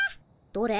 どれ？